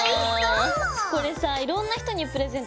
これさいろんな人にプレゼントしたくなるね。